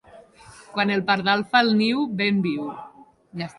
Quan el pardal fa el niu, vent viu.